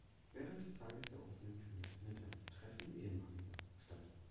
Während des Tages der offenen Tür findet ein "Treffen Ehemaliger" statt.